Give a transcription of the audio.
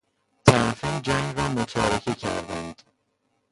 طرفین جنگ را متارکه کردند.